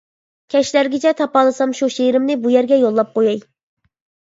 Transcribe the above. كەچلەرگىچە تاپالىسام شۇ شېئىرىمنى بۇ يەرگە يوللاپ قوياي.